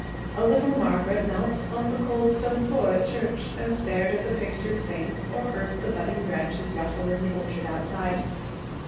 A little Margaret knelt on the cold stone floor at church and stared at the pictured saints or heard the budding branches rustle in the orchard outside.